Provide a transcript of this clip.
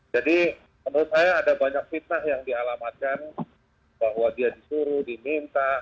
jadi menurut saya ada banyak fitnah yang dialamatkan bahwa dia disuruh diminta